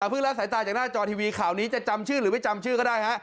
ละสายตาจากหน้าจอทีวีข่าวนี้จะจำชื่อหรือไม่จำชื่อก็ได้ฮะ